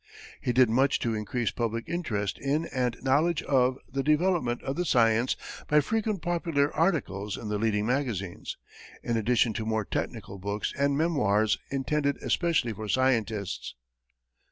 He did much to increase public interest in and knowledge of the development of the science by frequent popular articles in the leading magazines, in addition to more technical books and memoirs intended especially for scientists.